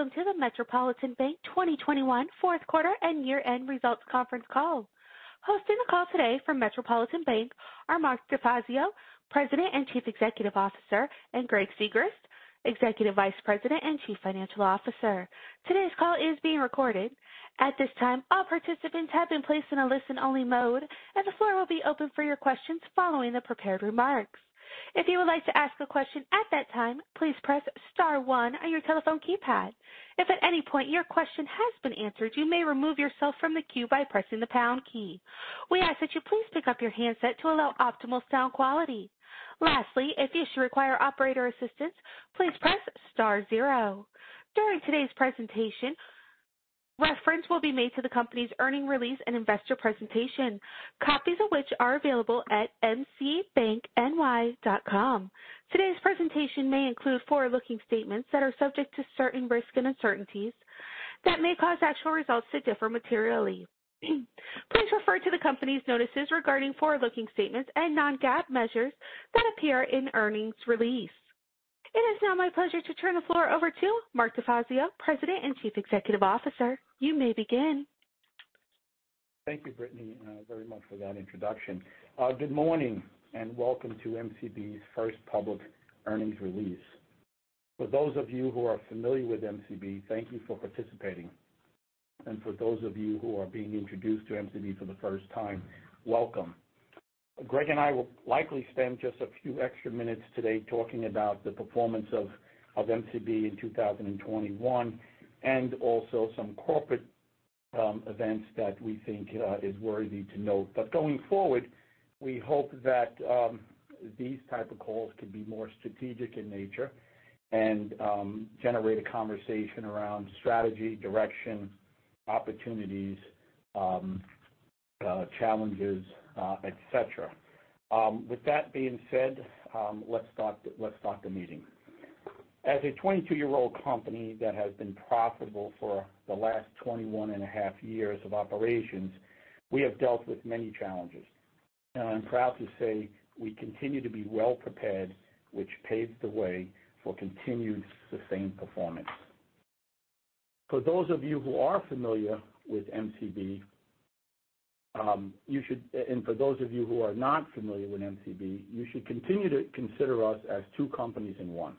Welcome to the Metropolitan Bank 2021 Fourth Quarter and Year-End Results Conference Call. Hosting the call today from Metropolitan Bank are Mark DeFazio, President and Chief Executive Officer, and Greg Sigrist, Executive Vice President and Chief Financial Officer. Today's call is being recorded. At this time, all participants have been placed in a listen-only mode, and the floor will be open for your questions following the prepared remarks. If you would like to ask a question at that time, please press star one on your telephone keypad. If at any point your question has been answered, you may remove yourself from the queue by pressing the pound key. We ask that you please pick up your handset to allow optimal sound quality. Lastly, if you should require operator assistance, please press star zero. During today's presentation, reference will be made to the company's earnings release and investor presentation, copies of which are available at mcbankny.com. Today's presentation may include forward-looking statements that are subject to certain risks and uncertainties that may cause actual results to differ materially. Please refer to the company's notices regarding forward-looking statements and non-GAAP measures that appear in earnings release. It is now my pleasure to turn the floor over to Mark DeFazio, President and Chief Executive Officer. You may begin. Thank you, Brittany, very much for that introduction. Good morning and welcome to MCB's first public earnings release. For those of you who are familiar with MCB, thank you for participating. For those of you who are being introduced to MCB for the first time, welcome. Greg and I will likely spend just a few extra minutes today talking about the performance of MCB in 2021 and also some corporate events that we think is worthy to note. Going forward, we hope that these type of calls could be more strategic in nature and generate a conversation around strategy, direction, opportunities, challenges, et cetera. With that being said, let's start the meeting. As a 22-year-old company that has been profitable for the last 21 and a half years of operations, we have dealt with many challenges. I'm proud to say we continue to be well-prepared, which paves the way for continued sustained performance. For those of you who are familiar with MCB, for those of you who are not familiar with MCB, you should continue to consider us as two companies in one.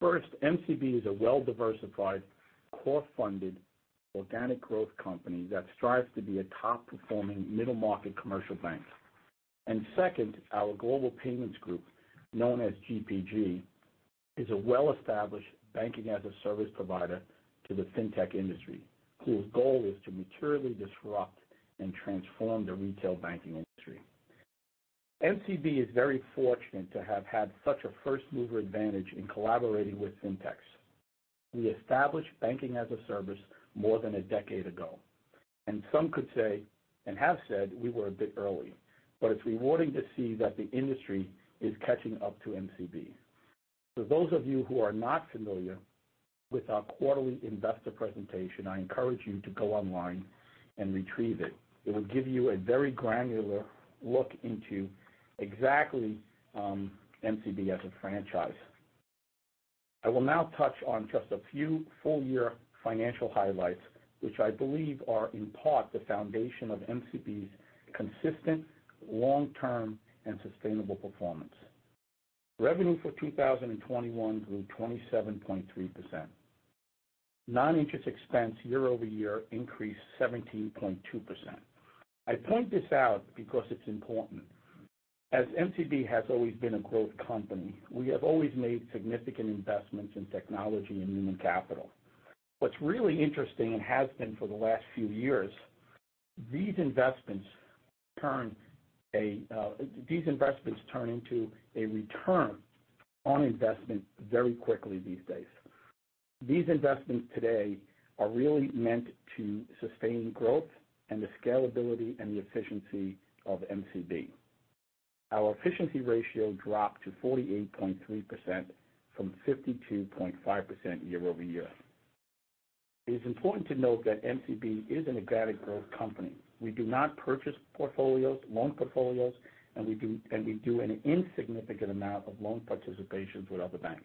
First, MCB is a well-diversified, core-funded, organic growth company that strives to be a top-performing middle market commercial bank. Second, our global payments group, known as GPG, is a well-established banking-as-a-service provider to the fintech industry, whose goal is to materially disrupt and transform the retail banking industry. MCB is very fortunate to have had such a first-mover advantage in collaborating with fintechs. We established banking as a service more than a decade ago. Some could say, and have said, we were a bit early, but it's rewarding to see that the industry is catching up to MCB. For those of you who are not familiar with our quarterly investor presentation, I encourage you to go online and retrieve it. It will give you a very granular look into exactly MCB as a franchise. I will now touch on just a few full-year financial highlights, which I believe are in part the foundation of MCB's consistent, long-term, and sustainable performance. Revenue for 2021 grew 27.3%. Noninterest expense year-over-year increased 17.2%. I point this out because it's important. As MCB has always been a growth company, we have always made significant investments in technology and human capital. What's really interesting, and has been for the last few years, these investments turn into a return on investment very quickly these days. These investments today are really meant to sustain growth and the scalability and the efficiency of MCB. Our efficiency ratio dropped to 48.3% from 52.5% year-over-year. It is important to note that MCB is an organic growth company. We do not purchase portfolios, loan portfolios, and we do an insignificant amount of loan participations with other banks.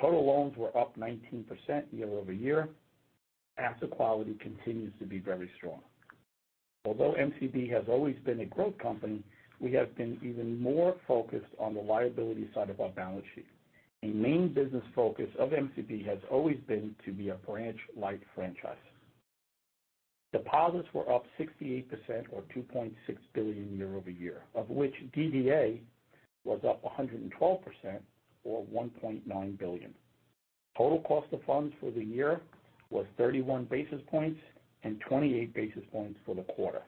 Total loans were up 19% year-over-year. Asset quality continues to be very strong. Although MCB has always been a growth company, we have been even more focused on the liability side of our balance sheet. A main business focus of MCB has always been to be a branch-light franchise. Deposits were up 68% or $2.6 billion year-over-year, of which DDA was up 112% or $1.9 billion. Total cost of funds for the year was 31 basis points and 28 basis points for the quarter.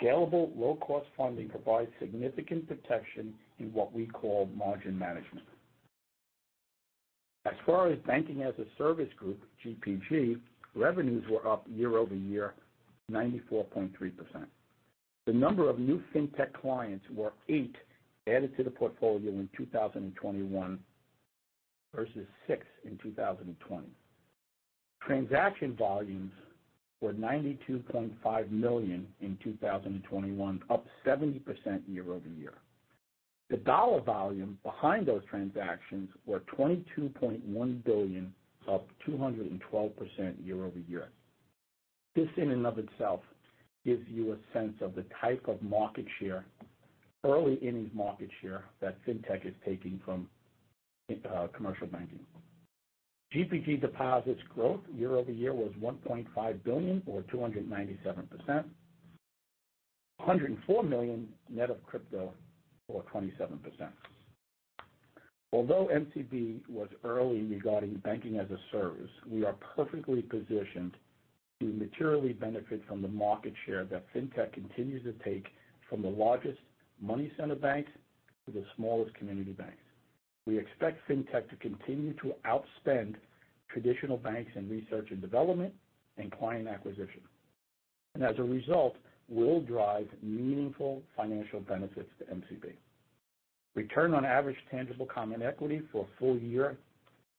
Scalable, low-cost funding provides significant protection in what we call margin management. As far as banking as a service group, GPG, revenues were up year-over-year 94.3%. The number of new fintech clients were eight added to the portfolio in 2021 versus six in 2020. Transaction volumes were 92.5 million in 2021, up 70% year-over-year. The dollar volume behind those transactions were $22.1 billion, up 212% year-over-year. This in and of itself gives you a sense of the type of market share, early innings market share that fintech is taking from, commercial banking. GPG deposits growth year over year was $1.5 billion or 297%, $104 million net of crypto or 27%. Although MCB was early regarding banking-as-a-service, we are perfectly positioned to materially benefit from the market share that fintech continues to take from the largest money center banks to the smallest community banks. We expect fintech to continue to outspend traditional banks in research and development and client acquisition. As a result, will drive meaningful financial benefits to MCB. Return on average tangible common equity for a full year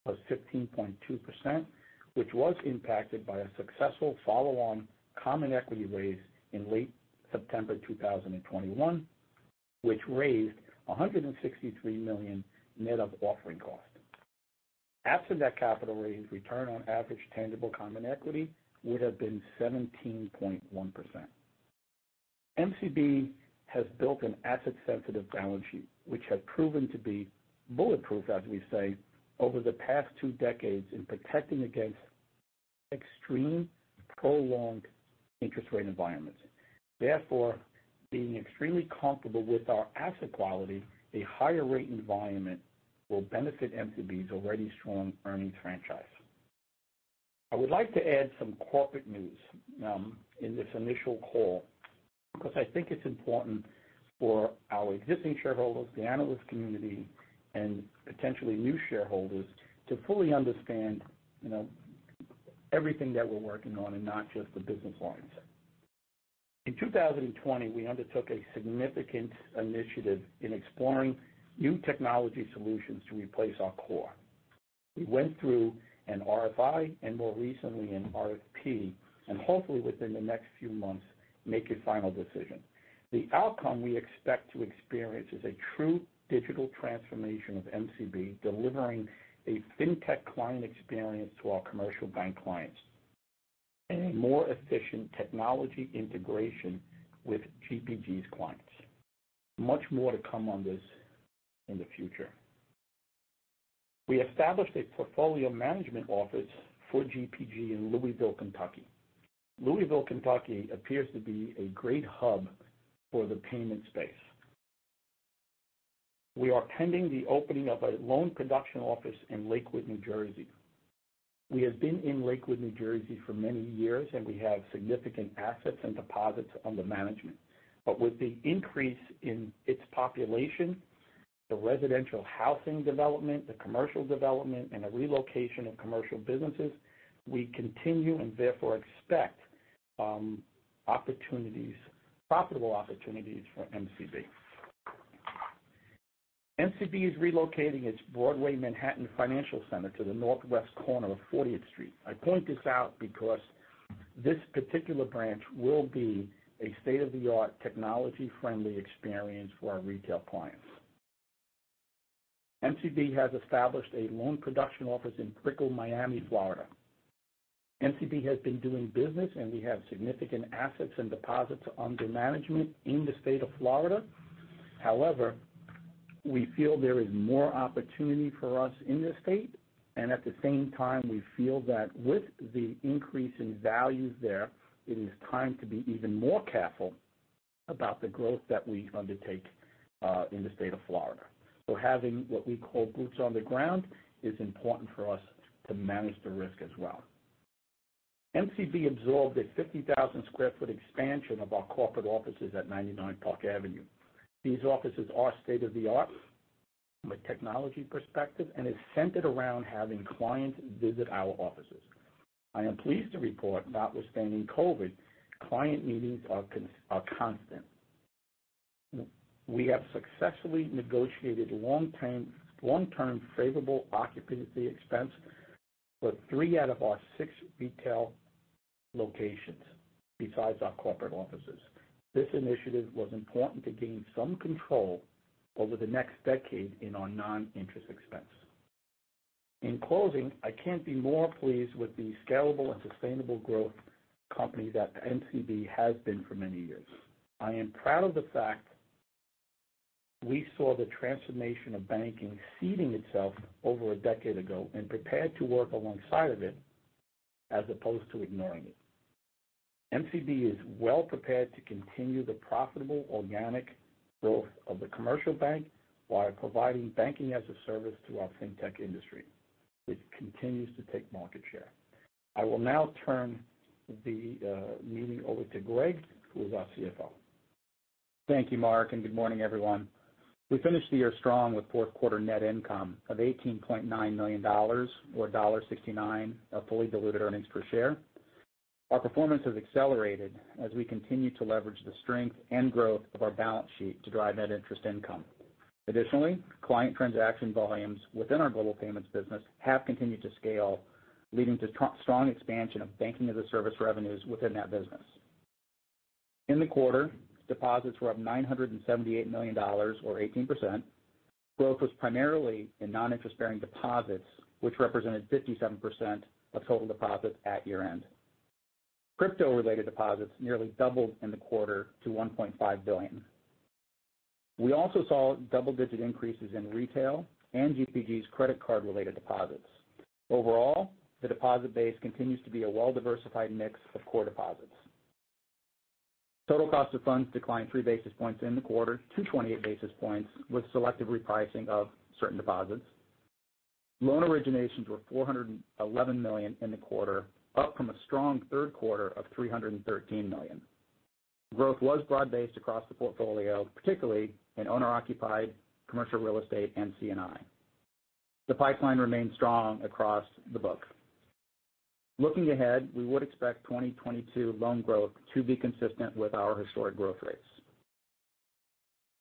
was 15.2%, which was impacted by a successful follow-on common equity raise in late September 2021, which raised $163 million net of offering cost. After that capital raise, return on average tangible common equity would have been 17.1%. MCB has built an asset sensitive balance sheet, which has proven to be bulletproof, as we say, over the past two decades in protecting against extreme prolonged interest rate environments. Therefore, being extremely comfortable with our asset quality, a higher rate environment will benefit MCB's already strong earnings franchise. I would like to add some corporate news in this initial call because I think it's important for our existing shareholders, the analyst community, and potentially new shareholders to fully understand, you know, everything that we're working on and not just the business lines. In 2020, we undertook a significant initiative in exploring new technology solutions to replace our core. We went through an RFI and more recently an RFP, and hopefully within the next few months, make a final decision. The outcome we expect to experience is a true digital transformation of MCB, delivering a fintech client experience to our commercial bank clients and a more efficient technology integration with GPG's clients. Much more to come on this in the future. We established a portfolio management office for GPG in Louisville, Kentucky. Louisville, Kentucky appears to be a great hub for the payment space. We are planning the opening of a loan production office in Lakewood, New Jersey. We have been in Lakewood, New Jersey for many years, and we have significant assets and deposits under management. With the increase in its population, the residential housing development, the commercial development, and the relocation of commercial businesses, we continue and therefore expect profitable opportunities for MCB. MCB is relocating its Broadway Manhattan Financial Center to the northwest corner of 40th Street. I point this out because this particular branch will be a state-of-the-art technology friendly experience for our retail clients. MCB has established a loan production office in Brickell, Miami, Florida. MCB has been doing business and we have significant assets and deposits under management in the state of Florida. However, we feel there is more opportunity for us in this state, and at the same time, we feel that with the increase in values there, it is time to be even more careful about the growth that we undertake in the state of Florida. Having what we call boots on the ground is important for us to manage the risk as well. MCB absorbed a 50,000 sq ft expansion of our corporate offices at 99 Park Avenue. These offices are state-of-the-art from a technology perspective, and it's centered around having clients visit our offices. I am pleased to report, notwithstanding COVID, client meetings are constant. We have successfully negotiated long-term favorable occupancy expense for 3 out of our 6 retail locations besides our corporate offices. This initiative was important to gain some control over the next decade in our non-interest expense. In closing, I can't be more pleased with the scalable and sustainable growth company that MCB has been for many years. I am proud of the fact we saw the transformation of banking seeding itself over a decade ago and prepared to work alongside of it as opposed to ignoring it. MCB is well prepared to continue the profitable organic growth of the commercial bank while providing banking-as-a-service to our fintech industry. It continues to take market share. I will now turn the meeting over to Greg, who is our CFO. Thank you, Mark, and good morning, everyone. We finished the year strong with fourth quarter net income of $18.9 million or $1.69 of fully diluted earnings per share. Our performance has accelerated as we continue to leverage the strength and growth of our balance sheet to drive net interest income. Additionally, client transaction volumes within our global payments business have continued to scale, leading to strong expansion of banking-as-a-service revenues within that business. In the quarter, deposits were up $978 million or 18%. Growth was primarily in non-interest-bearing deposits, which represented 57% of total deposits at year-end. Crypto-related deposits nearly doubled in the quarter to $1.5 billion. We also saw double-digit increases in retail and GPG's credit card-related deposits. Overall, the deposit base continues to be a well-diversified mix of core deposits. Total cost of funds declined 3 basis points in the quarter to 28 basis points with selective repricing of certain deposits. Loan originations were $411 million in the quarter, up from a strong third quarter of $313 million. Growth was broad-based across the portfolio, particularly in owner-occupied commercial real estate and C&I. The pipeline remains strong across the book. Looking ahead, we would expect 2022 loan growth to be consistent with our historic growth rates.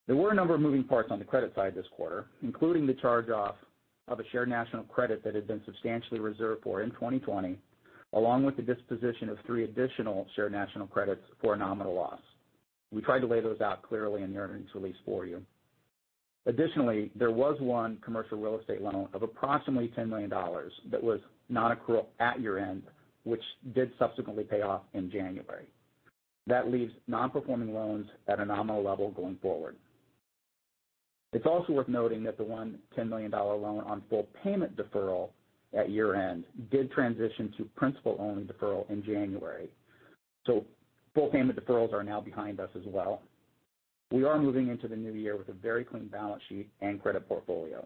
There were a number of moving parts on the credit side this quarter, including the charge-off of a shared national credit that had been substantially reserved for in 2020, along with the disposition of three additional shared national credits for a nominal loss. We tried to lay those out clearly in the earnings release for you. Additionally, there was one commercial real estate loan of approximately $10 million that was non-accrual at year-end, which did subsequently pay off in January. That leaves non-performing loans at a nominal level going forward. It's also worth noting that the one $10 million loan on full payment deferral at year-end did transition to principal-only deferral in January. Full payment deferrals are now behind us as well. We are moving into the new year with a very clean balance sheet and credit portfolio.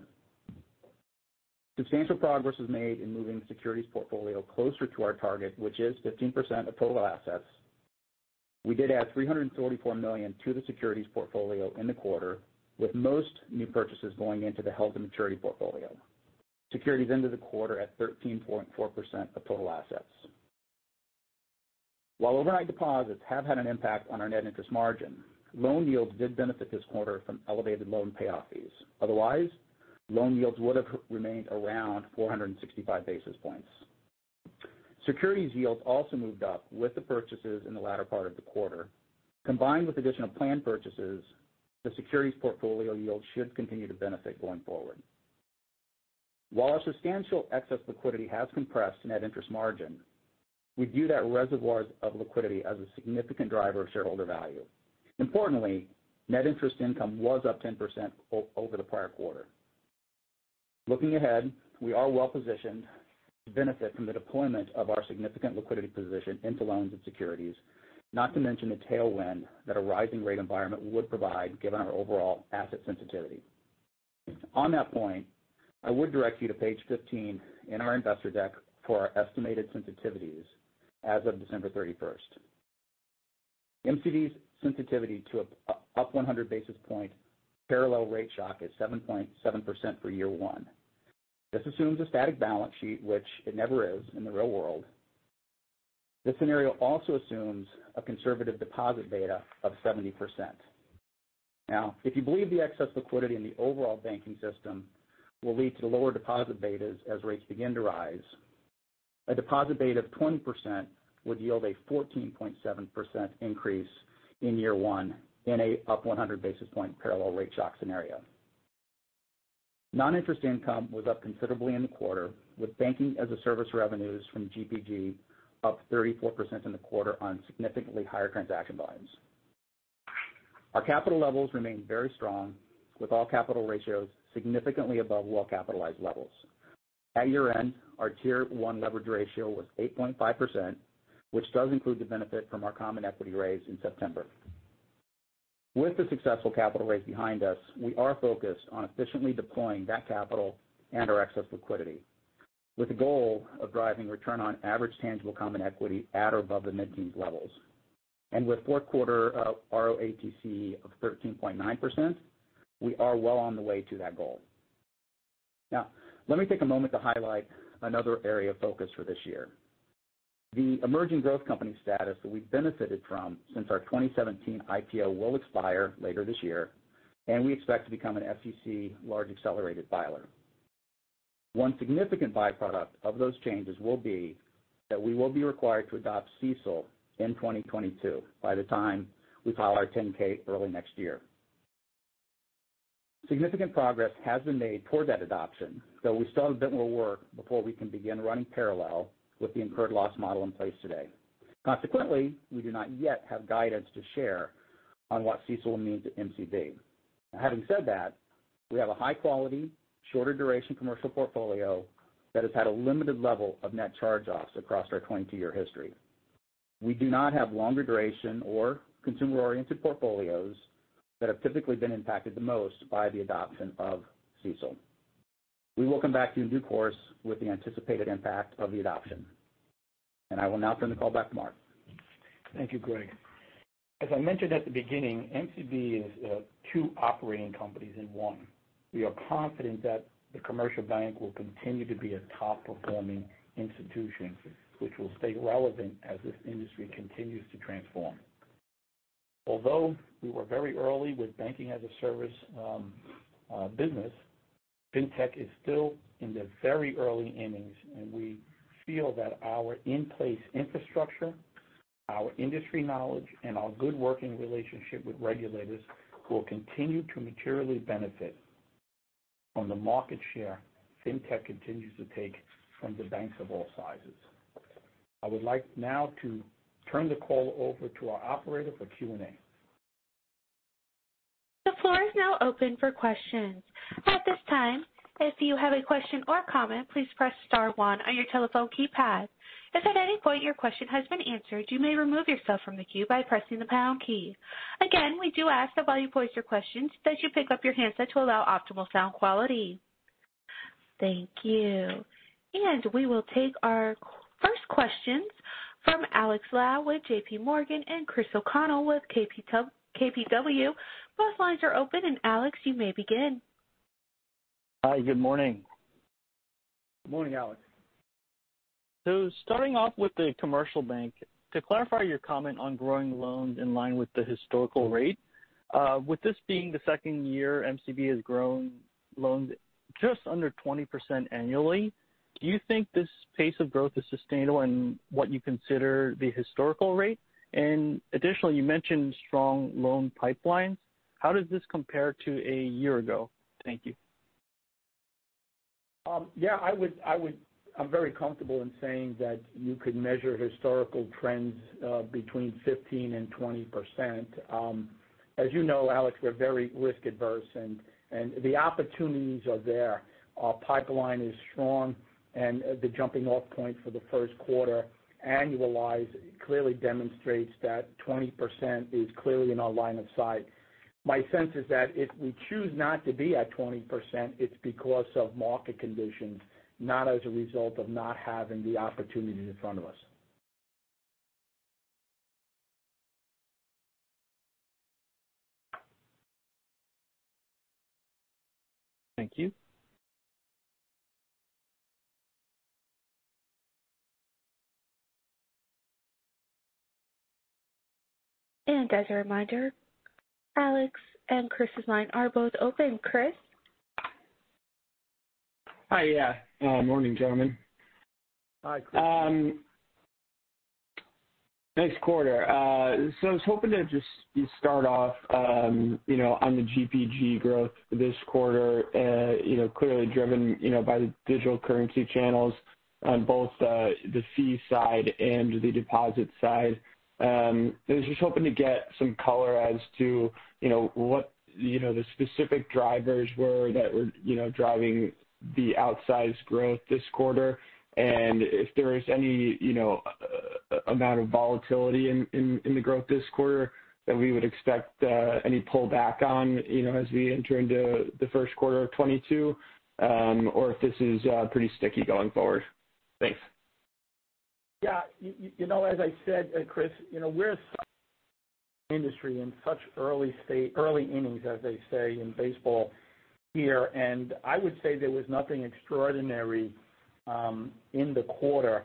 Substantial progress was made in moving the Securities portfolio closer to our target, which is 15% of total assets. We did add $344 million to the Securities portfolio in the quarter, with most new purchases going into the held-to-maturity portfolio. Securities ended the quarter at 13.4% of total assets. While overnight deposits have had an impact on our net interest margin, loan yields did benefit this quarter from elevated loan payoff fees. Otherwise, loan yields would have remained around 465 basis points. Securities yields also moved up with the purchases in the latter part of the quarter. Combined with additional planned purchases, the Securities portfolio yield should continue to benefit going forward. While our substantial excess liquidity has compressed net interest margin, we view those reservoirs of liquidity as a significant driver of shareholder value. Importantly, net interest income was up 10% over the prior quarter. Looking ahead, we are well-positioned to benefit from the deployment of our significant liquidity position into Loans and Securities, not to mention the tailwind that a rising rate environment would provide given our overall asset sensitivity. On that point, I would direct you to page 15 in our investor deck for our estimated sensitivities as of December 31. MCB's sensitivity to up 100 basis point parallel rate shock is 7.7% for year 1. This assumes a static balance sheet, which it never is in the real world. This scenario also assumes a conservative deposit beta of 70%. Now, if you believe the excess liquidity in the overall banking system will lead to lower deposit betas as rates begin to rise, a deposit beta of 20% would yield a 14.7% increase in year 1 in a 100-basis-point parallel rate shock scenario. Non-interest income was up considerably in the quarter, with banking-as-a-service revenues from GPG up 34% in the quarter on significantly higher transaction volumes. Our capital levels remain very strong, with all capital ratios significantly above well-capitalized levels. At year-end, our Tier 1 leverage ratio was 8.5%, which does include the benefit from our common equity raise in September. With the successful capital raise behind us, we are focused on efficiently deploying that capital and our excess liquidity with the goal of driving return on average tangible common equity at or above the mid-teens levels. With fourth quarter of ROATC of 13.9%, we are well on the way to that goal. Now, let me take a moment to highlight another area of focus for this year. The emerging growth company status that we've benefited from since our 2017 IPO will expire later this year, and we expect to become an SEC large accelerated filer. One significant byproduct of those changes will be that we will be required to adopt CECL in 2022 by the time we file our 10-K early next year. Significant progress has been made toward that adoption, though we still have a bit more work before we can begin running parallel with the incurred loss model in place today. Consequently, we do not yet have guidance to share on what CECL means at MCB. Having said that, we have a high-quality, shorter duration commercial portfolio that has had a limited level of net charge-offs across our 22-year history. We do not have longer duration or consumer-oriented portfolios that have typically been impacted the most by the adoption of CECL. We will come back to you in due course with the anticipated impact of the adoption. I will now turn the call back to Mark. Thank you, Greg. As I mentioned at the beginning, MCB is two operating companies in one. We are confident that the commercial bank will continue to be a top-performing institution which will stay relevant as this industry continues to transform. Although we were very early with banking-as-a-service business, fintech is still in the very early innings, and we feel that our in-place infrastructure, our industry knowledge, and our good working relationship with regulators will continue to materially benefit from the market share fintech continues to take from the banks of all sizes. I would like now to turn the call over to our operator for Q&A. The floor is now open for questions. At this time, if you have a question or comment, please press star one on your telephone keypad. If at any point your question has been answered, you may remove yourself from the queue by pressing the pound key. Again, we do ask that while you pose the questions, you pick up your handset to allow optimal sound quality. Thank you. We will take our first questions from Alex Lau with JPMorgan and Chris O'Connell with KBW. Both lines are open. Alex, you may begin. Hi. Good morning. Morning, Alex. Starting off with the commercial bank, to clarify your comment on growing loans in line with the historical rate, with this being the second year MCB has grown loans just under 20% annually, do you think this pace of growth is sustainable and what you consider the historical rate? Additionally, you mentioned strong loan pipelines. How does this compare to a year ago? Thank you. I would I'm very comfortable in saying that you could measure historical trends between 15%-20%. As you know, Alex, we're very risk averse and the opportunities are there. Our pipeline is strong, and the jumping-off point for the first quarter annualized clearly demonstrates that 20% is clearly in our line of sight. My sense is that if we choose not to be at 20%, it's because of market conditions, not as a result of not having the opportunities in front of us. Thank you. As a reminder, Alex and Chris's line are both open. Chris. Hi. Morning, gentlemen. Hi, Chris. Nice quarter. I was hoping to just start off, you know, on the GPG growth this quarter, you know, clearly driven, you know, by the digital currency channels on both, the fee side and the deposit side. I was just hoping to get some color as to, you know, what, you know, the specific drivers were that were, you know, driving the outsized growth this quarter, and if there is any, you know, amount of volatility in the growth this quarter that we would expect, any pullback on, you know, as we enter into the first quarter of 2022, or if this is, pretty sticky going forward. Thanks. You know, as I said, Chris, you know, the industry is in such early innings, as they say in baseball here, and I would say there was nothing extraordinary in the quarter.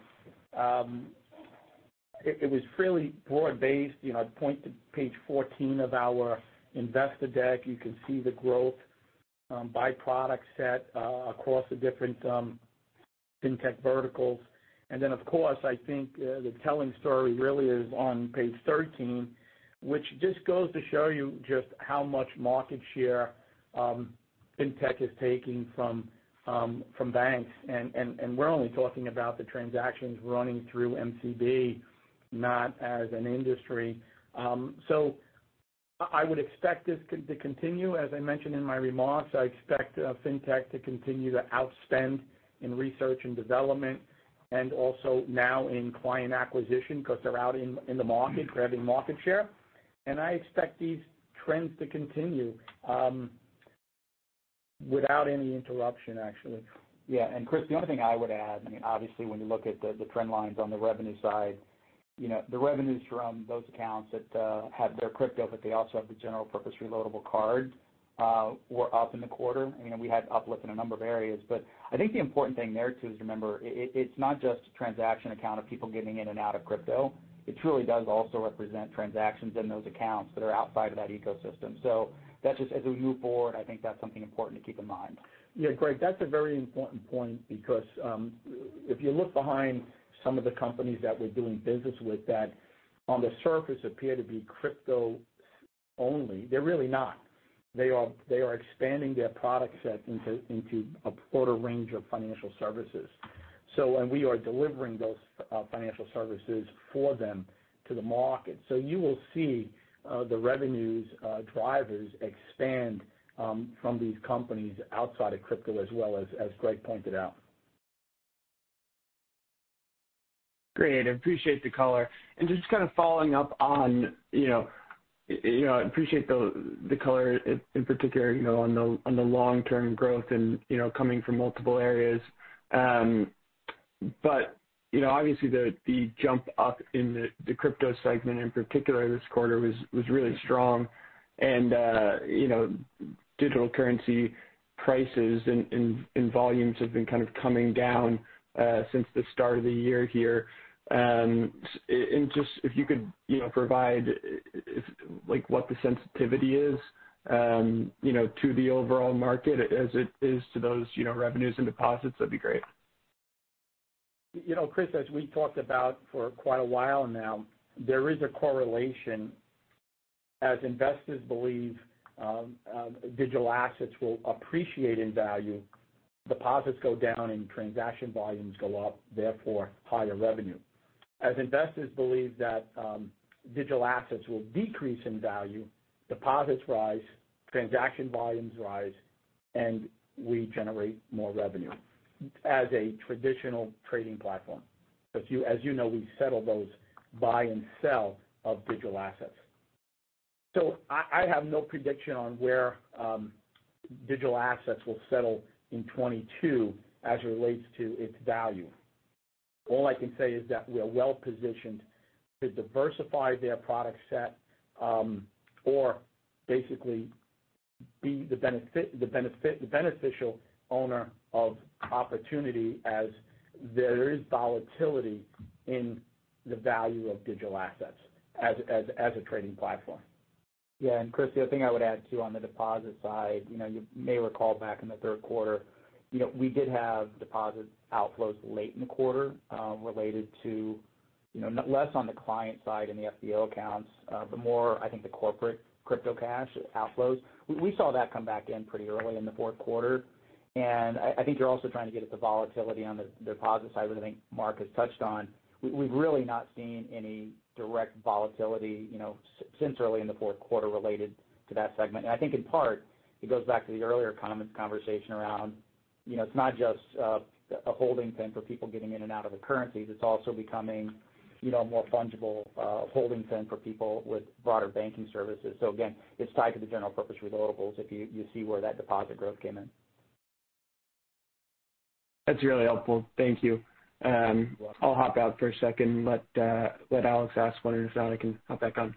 It was fairly broad-based. You know, I'd point to page 14 of our investor deck. You can see the growth by product set across the different fintech verticals. Of course, I think the telling story really is on page 13, which just goes to show you just how much market share fintech is taking from banks. We're only talking about the transactions running through MCB, not as an industry. I would expect this to continue. As I mentioned in my remarks, I expect fintech to continue to outspend in research and development and also now in client acquisition because they're out in the market grabbing market share. I expect these trends to continue without any interruption, actually. Chris, the only thing I would add, I mean, obviously when you look at the trend lines on the revenue side, you know, the revenues from those accounts that have their crypto, but they also have the general purpose reloadable card, were up in the quarter. You know, we had uplift in a number of areas. I think the important thing there, too, is remember, it's not just a transaction account of people getting in and out of crypto. It truly does also represent transactions in those accounts that are outside of that ecosystem. That's just as we move forward, I think that's something important to keep in mind. Greg, that's a very important point because if you look behind some of the companies that we're doing business with that on the surface appear to be crypto only, they're really not. They are expanding their product set into a broader range of financial services. We are delivering those financial services for them to the market. You will see the revenues drivers expand from these companies outside of crypto as well as Greg pointed out. Great. I appreciate the color. Just kind of following up on, you know, the color in particular, you know, on the long-term growth and, you know, coming from multiple areas. You know, obviously the jump up in the crypto segment in particular this quarter was really strong. You know, digital currency prices and volumes have been kind of coming down since the start of the year here. Just if you could, you know, provide like what the sensitivity is, you know, to the overall market as it is to those, you know, revenues and deposits, that'd be great. You know, Chris, as we talked about for quite a while now, there is a correlation as investors believe digital assets will appreciate in value, deposits go down and transaction volumes go up, therefore higher revenue. As investors believe that digital assets will decrease in value, deposits rise, transaction volumes rise, and we generate more revenue as a traditional trading platform. Because as you know, we settle those buy and sell of digital assets. I have no prediction on where digital assets will settle in 2022 as it relates to its value. All I can say is that we're well-positioned to diversify their product set, or basically be the beneficial owner of opportunity as there is volatility in the value of digital assets as a trading platform. Chris, the other thing I would add, too, on the deposit side. You may recall back in the third quarter we did have deposit outflows late in the quarter, related to less on the client side and the FBO accounts, but more, I think, the corporate crypto cash outflows. We saw that come back in pretty early in the fourth quarter. I think you're also trying to get at the volatility on the deposit side, which I think Mark has touched on. We've really not seen any direct volatility, you know, since early in the fourth quarter related to that segment. I think in part it goes back to the earlier comments, conversation around, you know, it's not just a holding thing for people getting in and out of the currencies. It's also becoming, you know, a more fungible, holding thing for people with broader banking services. Again, it's tied to the general purpose reloadables if you see where that deposit growth came in. That's really helpful. Thank you. I'll hop out for a second. Let Alex ask one, and if not, I can hop back on.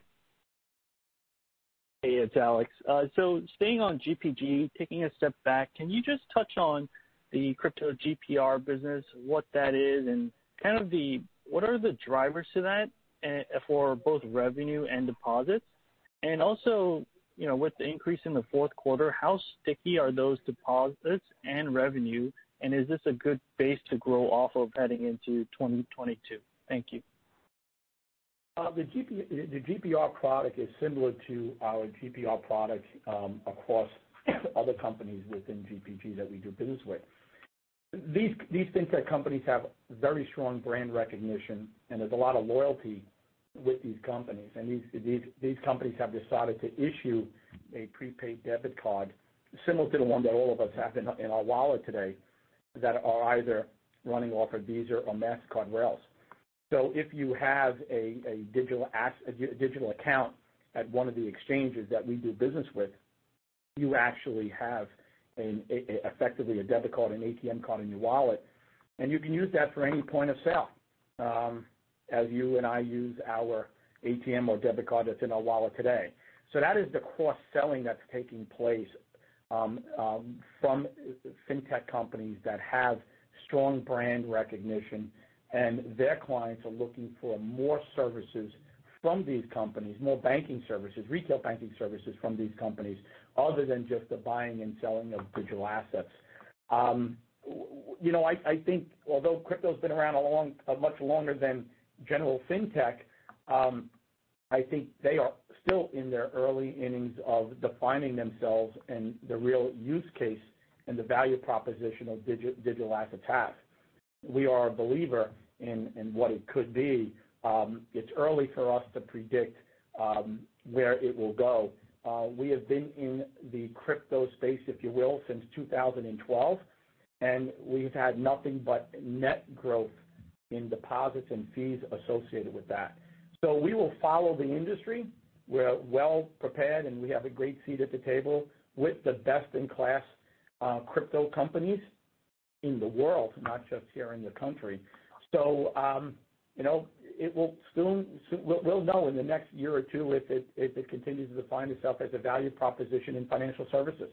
Hey, it's Alex. So staying on GPG, taking a step back, can you just touch on the crypto GPR business, what that is, and kind of what are the drivers to that, for both revenue and deposits? You know, with the increase in the fourth quarter, how sticky are those deposits and revenue, and is this a good base to grow off of heading into 2022? Thank you. The GPR product is similar to our GPR products across other companies within GPG that we do business with. These fintech companies have very strong brand recognition, and there's a lot of loyalty with these companies. These companies have decided to issue a prepaid debit card similar to the one that all of us have in our wallet today that are either running off of Visa or Mastercard rails. If you have a digital account at one of the exchanges that we do business with, you actually have effectively a debit card, an ATM card in your wallet, and you can use that for any point of sale as you and I use our ATM or debit card that's in our wallet today. That is the cross-selling that's taking place from fintech companies that have strong brand recognition, and their clients are looking for more services from these companies, more banking services, retail banking services from these companies other than just the buying and selling of digital assets. You know, I think although crypto's been around much longer than general fintech, I think they are still in their early innings of defining themselves and the real use case and the value proposition of digital assets have. We are a believer in what it could be. It's early for us to predict where it will go. We have been in the crypto space, if you will, since 2012, and we've had nothing but net growth in deposits and fees associated with that. We will follow the industry. We're well prepared, and we have a great seat at the table with the best-in-class crypto companies in the world, not just here in the country. You know, we'll know in the next year or two if it continues to define itself as a value proposition in financial services.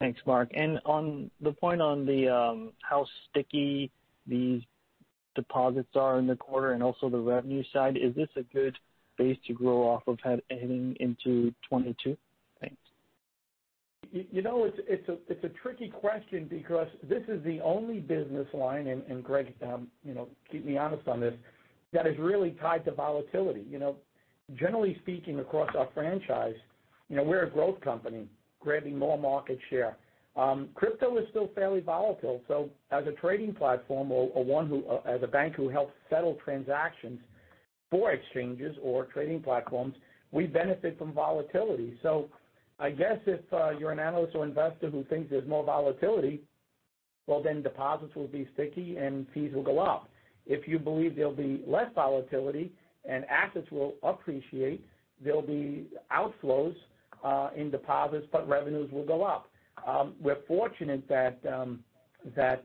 Thanks, Mark. On the point on the how sticky these deposits are in the quarter and also the revenue side, is this a good base to grow off of heading into 2022? Thanks. It's a tricky question because this is the only business line, Greg, keep me honest on this, that is really tied to volatility. Generally speaking, across our franchise, we're a growth company grabbing more market share. Crypto is still fairly volatile. So as a trading platform or as a bank who helps settle transactions for exchanges or trading platforms, we benefit from volatility. I guess if you're an analyst or investor who thinks there's more volatility. Well, then deposits will be sticky and fees will go up. If you believe there'll be less volatility and assets will appreciate, there'll be outflows in deposits, but revenues will go up. We're fortunate that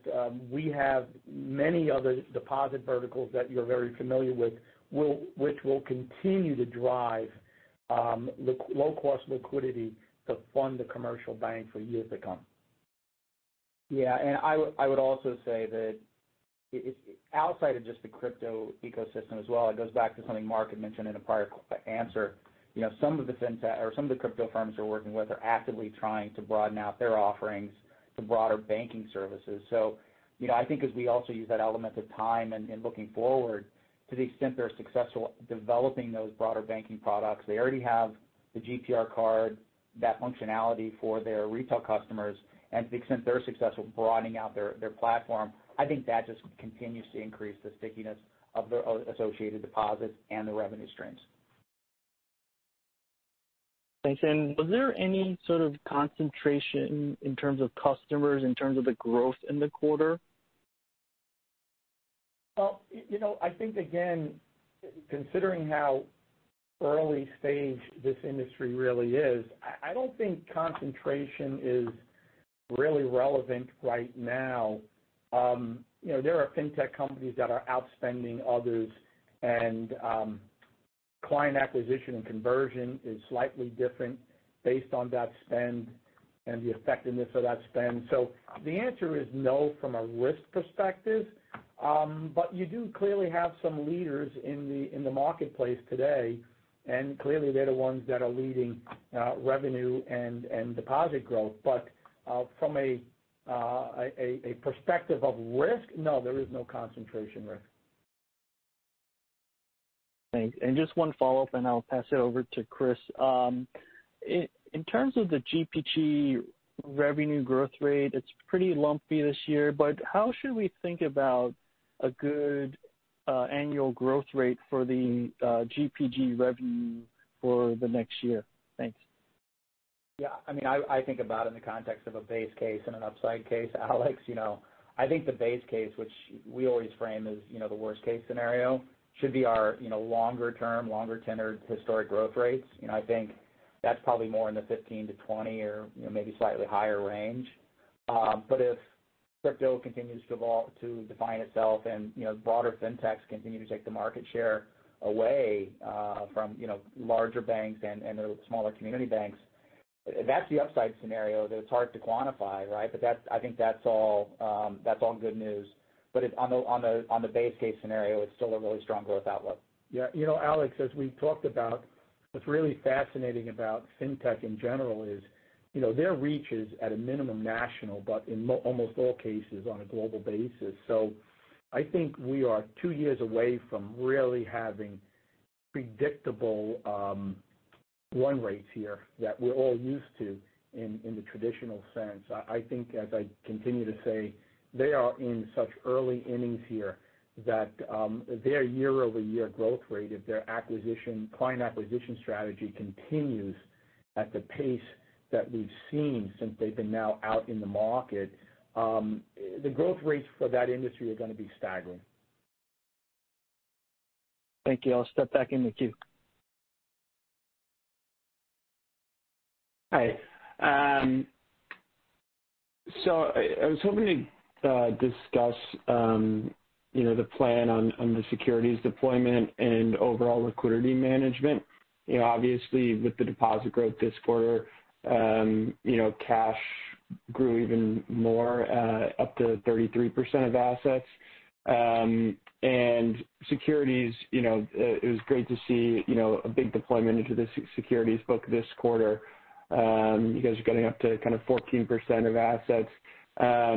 we have many other deposit verticals that you're very familiar with, which will continue to drive the low-cost liquidity to fund the commercial bank for years to come. I would also say that, outside of just the crypto ecosystem as well, it goes back to something Mark had mentioned in a prior Q&A answer. You know, some of the fintech or some of the crypto firms we're working with are actively trying to broaden out their offerings to broader banking services. You know, I think as we also use that element of time and looking forward, to the extent they're successful at developing those broader banking products, they already have the GPR card, that functionality for their retail customers. To the extent they're successful broadening out their platform, I think that just continues to increase the stickiness of their associated deposits and the revenue streams. Thanks. Was there any sort of concentration in terms of customers, in terms of the growth in the quarter? Well, you know, I think again, considering how early stage this industry really is, I don't think concentration is really relevant right now. You know, there are fintech companies that are outspending others and, client acquisition and conversion is slightly different based on that spend and the effectiveness of that spend. The answer is no from a risk perspective. You do clearly have some leaders in the marketplace today, and clearly they're the ones that are leading revenue and deposit growth. From a perspective of risk, no, there is no concentration risk. Thanks. Just one follow-up, and I'll pass it over to Chris. In terms of the GPG revenue growth rate, it's pretty lumpy this year, but how should we think about a good annual growth rate for the GPG revenue for the next year? Thanks. About it in the context of a base case and an upside case, Alex. The base case, which we always frame as the worst-case scenario, should be our longer-term, longer tenured historic growth rates. That's probably more in the 15%-20% or maybe slightly higher range. If crypto continues to define itself and broader fintechs continue to take the market share away from, you know, larger banks and the smaller community banks, that's the upside scenario that it's hard to quantify, right? That's. I think that's all good news. On the base case scenario, it's still a really strong growth outlook. Alex, as we talked about, what's really fascinating about fintech in general is, you know, their reach is at a minimum national but in almost all cases on a global basis. I think we are two years away from really having predictable loan rates here that we're all used to in the traditional sense. I think as I continue to say, they are in such early innings here that their year-over-year growth rate, if their client acquisition strategy continues at the pace that we've seen since they've been now out in the market, the growth rates for that industry are gonna be staggering. Thank you. I'll step back in with you. Hi. So I was hoping to discuss, you know, the plan on the securities deployment and overall liquidity management. Obviously, with the deposit growth this quarter, cash grew even more, up to 33% of assets. Securities, it was great to see a big deployment into the Securities book this quarter. You guys are getting up to 14% of assets.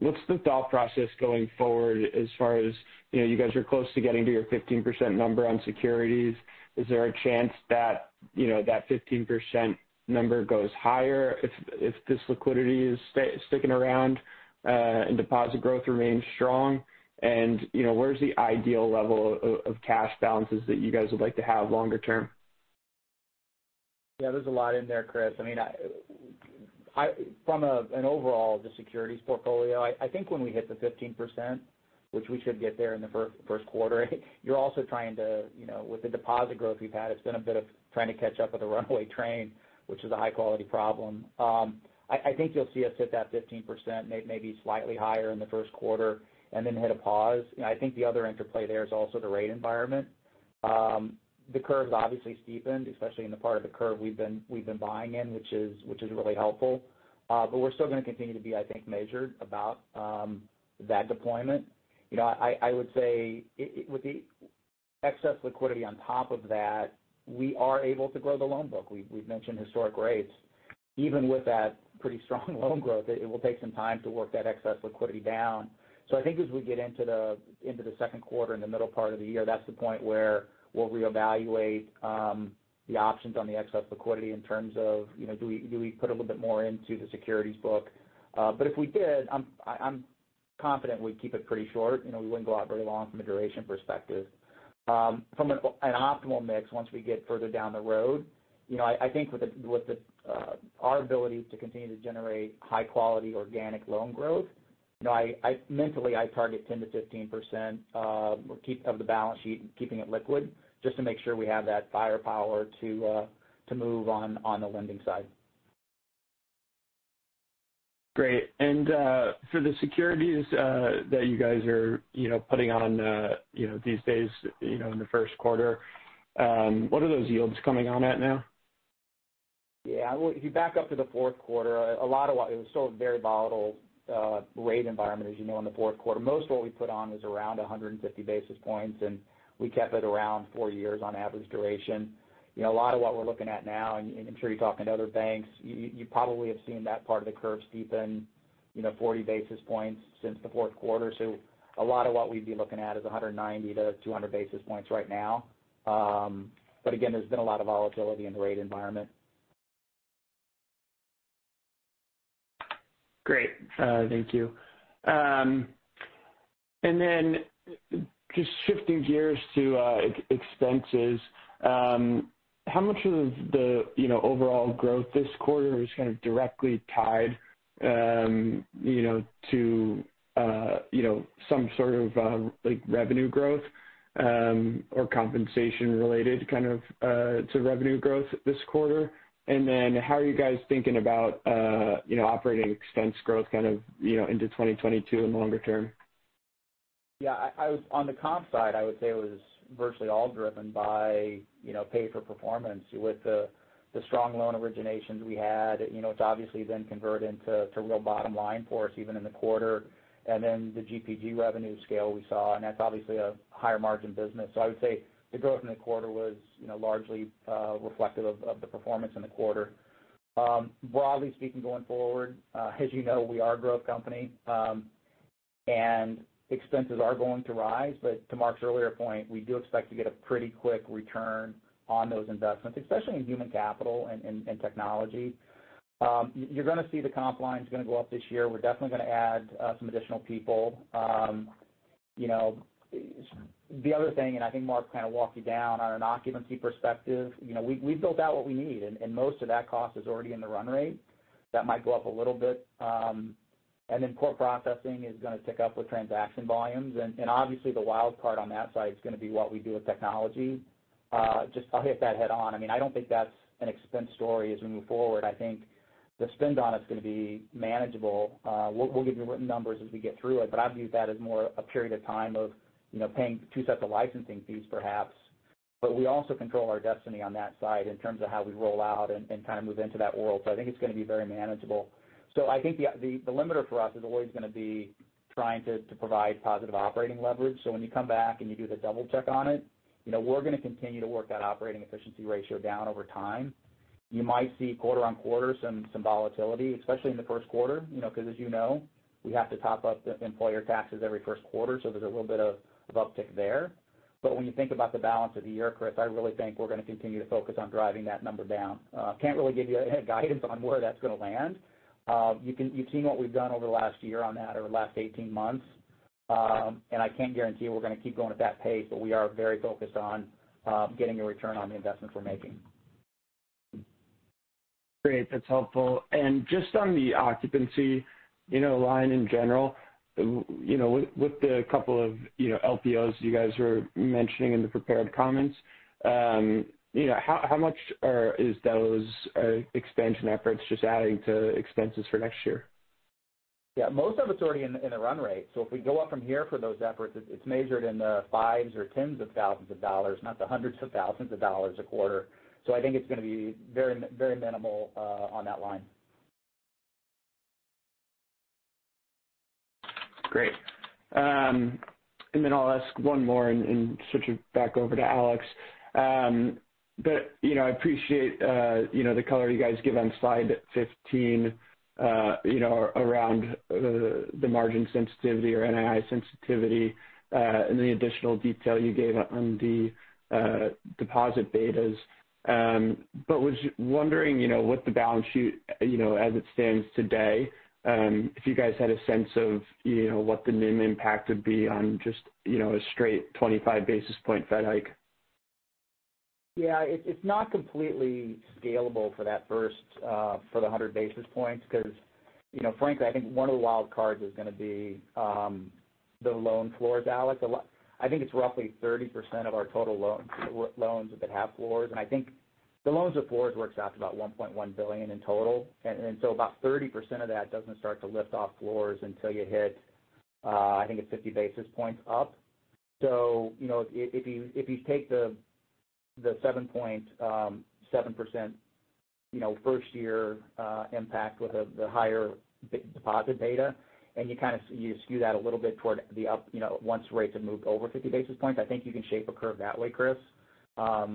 What's the thought process going forward as far as you guys are close to getting to your 15% number on Securities? Is there a chance that 15% number goes higher if this liquidity is sticking around, and deposit growth remains strong? Where's the ideal level of cash balances that you guys would like to have longer term? There's a lot in there, Chris. From an overall, the Securities portfolio, I think when we hit the 15%, which we should get there in the first quarter, you're also trying to with the deposit growth we've had, it's been a bit of trying to catch up with a runaway train, which is a high-quality problem. I think you'll see us hit that 15%, maybe slightly higher in the first quarter and then hit a pause. You know, I think the other interplay there is also the rate environment. The curve's obviously steepened, especially in the part of the curve we've been buying in, which is really helpful. We're still gonna continue to be, I think, measured about that deployment. You know, I would say it with the excess liquidity on top of that, we are able to grow the loan book. We've mentioned historic rates. Even with that pretty strong loan growth, it will take some time to work that excess liquidity down. I think as we get into the second quarter in the middle part of the year, that's the point where we'll reevaluate the options on the excess liquidity in terms of, you know, do we put a little bit more into the securities book. But if we did, I'm confident we'd keep it pretty short. You know, we wouldn't go out very long from a duration perspective. From an optimal mix, once we get further down the road, you know, I think with our ability to continue to generate high-quality organic loan growth, you know, I mentally target 10%-15%. We keep 10%-15% of the balance sheet and keep it liquid just to make sure we have that firepower to move on the lending side. Great. For the Securities that you guys are putting on these days in the first quarter, what are those yields coming on at now? Well, if you back up to the fourth quarter, a lot of what it was still a very volatile rate environment, as you know, in the fourth quarter. Most of what we put on was around 150 basis points, and we kept it around 4 years on average duration. A lot of what we're looking at now, and I'm sure you're talking to other banks, you probably have seen that part of the curve steepen, you know, 40 basis points since the fourth quarter. A lot of what we'd be looking at is 190-200 basis points right now. Again, there's been a lot of volatility in the rate environment. Great. Thank you. Just shifting gears to expenses, how much of the overall growth this quarter is directly tied to you know some revenue growth or compensation related to revenue growth this quarter? How are you guys thinking about operating expense growth into 2022 and longer term? I was on the comp side, I would say it was virtually all driven by pay for performance. With the strong loan originations we had it's obviously then converted into real bottom line for us even in the quarter. The GPG revenue scale we saw, and that's obviously a higher margin business. I would say the growth in the quarter was, you know, largely reflective of the performance in the quarter. Broadly speaking, going forward, as you know, we are a growth company, and expenses are going to rise. To Mark's earlier point, we do expect to get a pretty quick return on those investments, especially in human capital and technology. You're gonna see the comp line's gonna go up this year. We're definitely gonna add some additional people. You know, the other thing, I think Mark kind of walked you down on an occupancy perspective, you know, we've built out what we need and most of that cost is already in the run rate. That might go up a little bit. Then core processing is gonna tick up with transaction volumes. Obviously, the wild card on that side is gonna be what we do with technology. Just I'll hit that head on. I mean, I don't think that's an expense story as we move forward. I think the spend on it's gonna be manageable. We'll give you written numbers as we get through it, but I view that as more a period of time of, you know, paying two sets of licensing fees perhaps. We also control our destiny on that side in terms of how we roll out and kind of move into that world. So I think it's gonna be very manageable. So I think the limiter for us is always gonna be trying to provide positive operating leverage. So when you come back and you do the double check on it, you know, we're gonna continue to work that operating efficiency ratio down over time. You might see quarter-over-quarter some volatility, especially in the first quarter, you know, because as you know, we have to top up the employer taxes every first quarter, so there's a little bit of uptick there. But when you think about the balance of the year, Chris, I really think we're gonna continue to focus on driving that number down. Can't really give you any guidance on where that's gonna land. You've seen what we've done over the last year on that or last 18 months. I can't guarantee you we're gonna keep going at that pace, but we are very focused on getting a return on the investment we're making. Great. That's helpful. Just on the occupancy line in general with the couple of LPOs you guys were mentioning in the prepared comments how much is those expansion efforts just adding to expenses for next year? Most of it's already in the run rate. If we go up from here for those efforts, it's measured in the $5,000s or $10,000s, not the $100,000s a quarter. I think it's gonna be very minimal on that line. Great. Then I'll ask one more and switch it back over to Alex. I appreciate the color you guys give on slide 15 around the margin sensitivity or NII sensitivity and the additional detail you gave on the deposit betas. I was wondering with the balance sheet as it stands today, if you guys had a sense of what the NIM impact would be on just a straight 25 basis point Fed hike. It's not completely scalable for that first 100 basis points because frankly, I think one of the wild cards is gonna be the loan floors, Alex. I think it's roughly 30% of our total loans that have floors. And I think the loans with floors works out to about $1.1 billion in total. And so about 30% of that doesn't start to lift off floors until you hit, I think it's 50 basis points up. If you take the 7.7% first year impact with the higher deposit beta, and you kind of skew that a little bit toward the up, you know, once rates have moved over 50 basis points, I think you can shape a curve that way, Chris. I've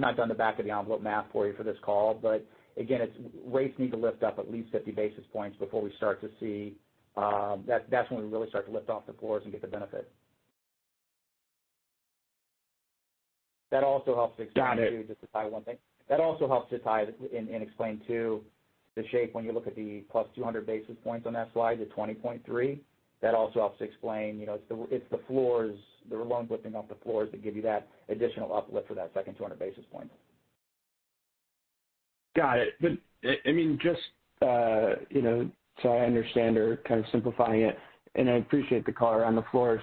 not done the back of the envelope math for you for this call, but again, it's rates need to lift up at least 50 basis points before we start to see, that's when we really start to lift off the floors and get the benefit. Got it. That also helps to just to tie one thing. That also helps to tie it and explain too the shape when you look at the +200 basis points on that slide, the 20.3%. That also helps explain, you know, it's the floors, there were loans lifting off the floors that give you that additional uplift for that second 200 basis point. Got it. I mean, just, you know, so I understand or kind of simplifying it, and I appreciate the color on the floors.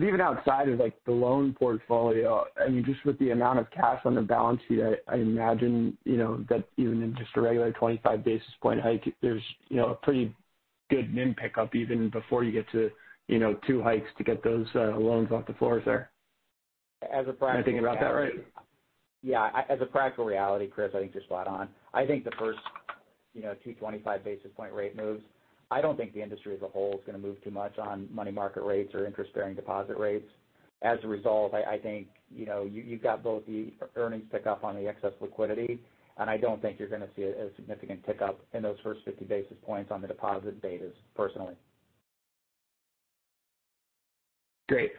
Even outside of like the loan portfolio, I mean, just with the amount of cash on the balance sheet, I imagine, you know, that even in just a regular 25 basis points hike, there's, you know, a pretty good NIM pickup even before you get to, you know, two hikes to get those, loans off the floors there. Am I thinking about that right? As a practical reality, Chris, I think you're spot on. I think the first two 25 basis point rate moves, I don't think the industry as a whole is gonna move too much on money market rates or interest-bearing deposit rates. As a result, you've got both the earnings tick up on the excess liquidity, and I don't think you're gonna see a significant tick up in those first 50 basis points on the deposit betas personally. Great.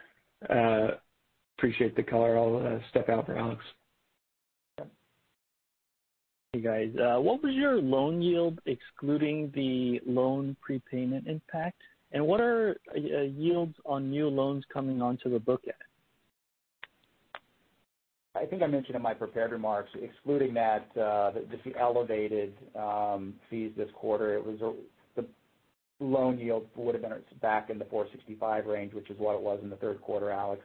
Appreciate the color. I'll step out for Alex. Hey, guys. What was your loan yield excluding the loan prepayment impact? What are yields on new loans coming onto the book at? I think I mentioned in my prepared remarks, excluding that, just the elevated fees this quarter, it was the loan yield would've been back in the 4.65% range, which is what it was in the third quarter, Alex.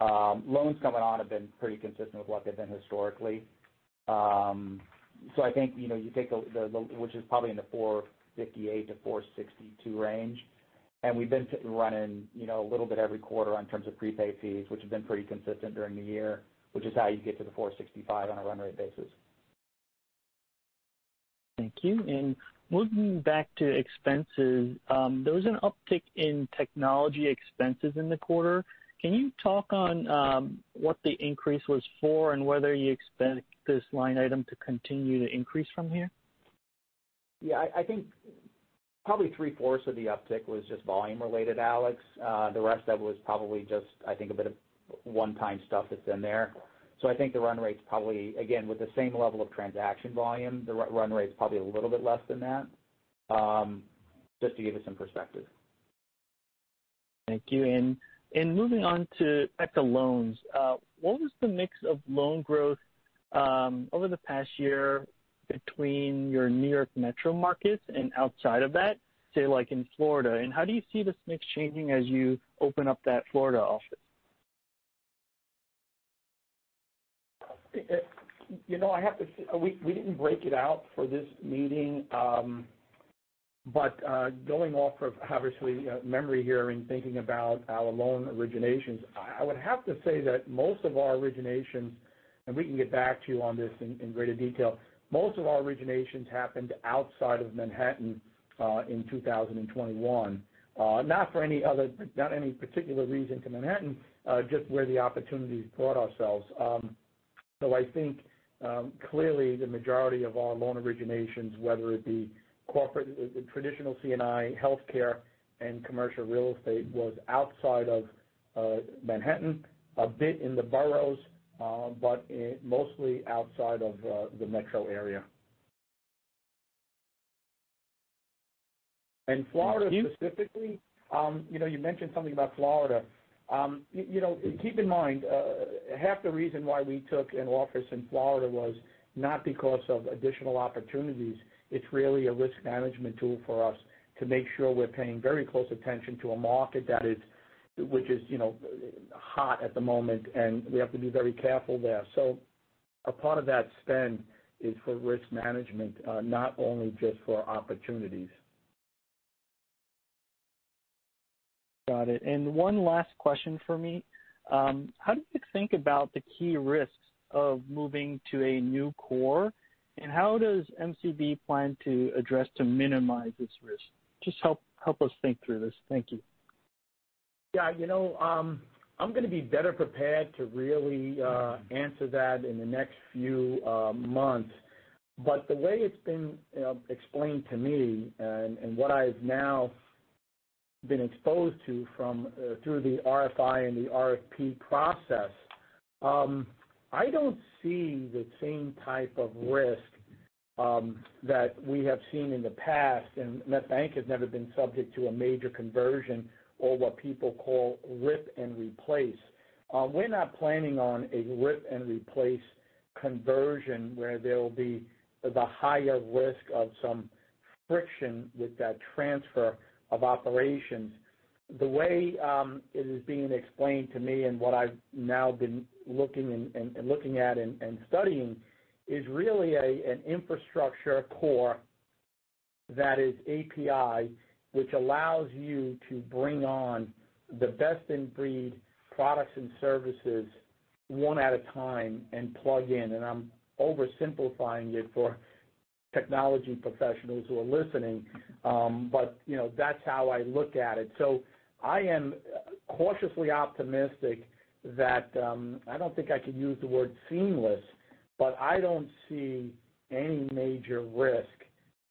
Loans coming on have been pretty consistent with what they've been historically. So I think, you know, you take the which is probably in the 4.58%-4.62% range. We've been running, you know, a little bit every quarter in terms of prepaid fees, which have been pretty consistent during the year, which is how you get to the 4.65% on a run rate basis. Thank you. Moving back to expenses, there was an uptick in technology expenses in the quarter. Can you talk on what the increase was for and whether you expect this line item to continue to increase from here? Probably 3/4 of the uptick was just volume-related, Alex. The rest of it was probably just, I think, a bit of one-time stuff that's in there. I think the run rate's probably, again, with the same level of transaction volume, a little bit less than that, just to give you some perspective. Thank you. Moving on to loans, what was the mix of loan growth over the past year between your New York metro markets and outside of that, say like in Florida? How do you see this mix changing as you open up that Florida office? You know, we didn't break it out for this meeting. But going off of, obviously, memory here and thinking about our loan originations, I would have to say that most of our originations, and we can get back to you on this in greater detail. Most of our originations happened outside of Manhattan in 2021. Not any particular reason to Manhattan, just where the opportunities brought ourselves. So I think clearly the majority of our loan originations, whether it be corporate, the traditional C&I, healthcare, and commercial real estate, was outside of Manhattan, a bit in the boroughs, but it mostly outside of the metro area. Florida specifically- Thank you. You know, you mentioned something about Florida. You know, keep in mind, half the reason why we took an office in Florida was not because of additional opportunities. It's really a risk management tool for us to make sure we're paying very close attention to a market that is, you know, hot at the moment, and we have to be very careful there. A part of that spend is for risk management, not only just for opportunities. Got it. One last question for me. How do you think about the key risks of moving to a new core? How does MCB plan to address to minimize this risk? Just help us think through this. Thank you. I'm gonna be better prepared to really answer that in the next few months. The way it's been explained to me and what I've now been exposed to from the RFI and the RFP process, I don't see the same type of risk that we have seen in the past. Met Bank has never been subject to a major conversion or what people call rip and replace. We're not planning on a rip-and-replace conversion where there will be the higher risk of some friction with that transfer of operations. The way it is being explained to me and what I've now been looking at and studying is really an infrastructure core that is API, which allows you to bring on the best in breed products and services one at a time and plug in. I'm oversimplifying it for technology professionals who are listening. That's how I look at it. I am cautiously optimistic that I don't think I could use the word seamless, but I don't see any major risk.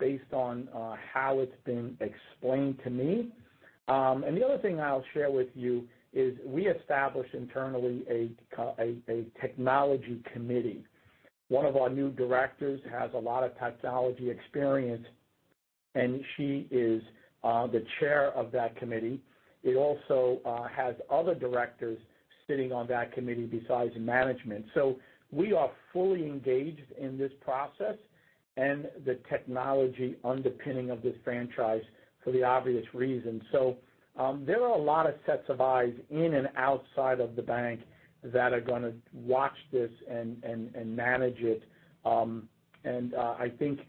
Based on how it's been explained to me. The other thing I'll share with you is we established internally a Technology committee. One of our new Directors has a lot of technology experience, and she is the Chair of that committee. It also has other Directors sitting on that committee besides management. We are fully engaged in this process and the technology underpinning of this franchise for the obvious reasons. There are a lot of sets of eyes in and outside of the bank that are gonna watch this and manage it. I think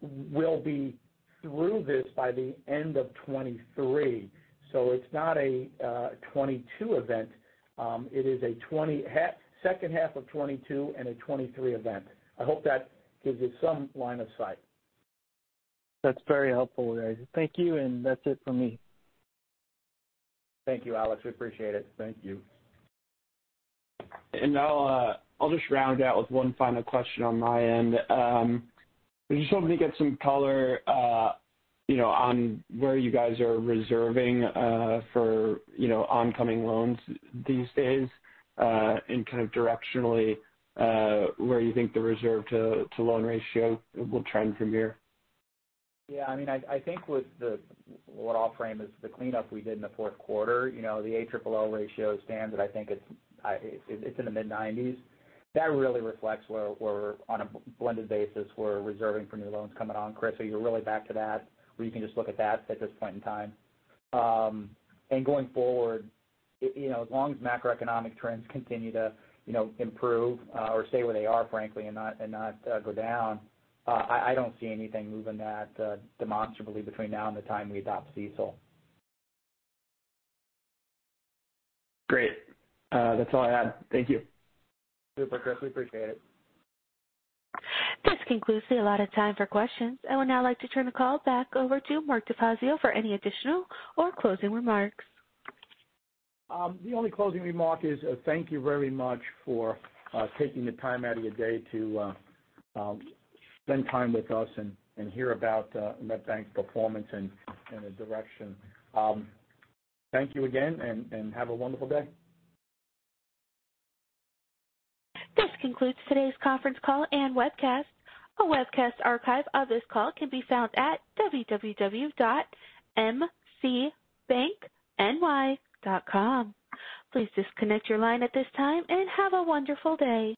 we'll be through this by the end of 2023. It's not a 2022 event. It is the second half of 2022 and a 2023 event. I hope that gives you some line of sight. That's very helpful, guys. Thank you, and that's it for me. Thank you, Alex. We appreciate it. Thank you. I'll just round out with one final question on my end. I just wanted to get some color on where you guys are reserving, for oncoming loans these days, and kind of directionally, where you think the reserve to loan ratio will trend from here. What I'll frame is the cleanup we did in the fourth quarter. You know, the ALLL ratio stands at, I think it's in the mid-90%. That really reflects where we're on a blended basis, we're reserving for new loans coming on, Chris. So you're really back to that, where you can just look at that at this point in time. Going forward, you know, as long as macroeconomic trends continue to improve or stay where they are, frankly, and not go down, I don't see anything moving that demonstrably between now and the time we adopt CECL. Great. That's all I had. Thank you. Super, Chris. We appreciate it. This concludes the allotted time for questions. I would now like to turn the call back over to Mark DeFazio for any additional or closing remarks. The only closing remark is, thank you very much for taking the time out of your day to spend time with us and hear about Met Bank's performance and the direction. Thank you again, and have a wonderful day. This concludes today's conference call and webcast. A webcast archive of this call can be found at www.mcbankny.com. Please disconnect your line at this time, and have a wonderful day.